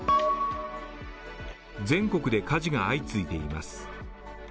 全国で火事が相次いでいます。